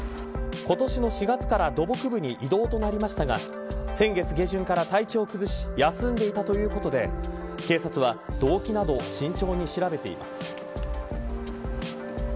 今年の４月から土木部に異動となりましたが先月下旬から、体調を崩し休んでいたということで、警察は動機などを慎重に調べています。